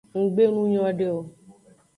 Nggbe nu nyode o.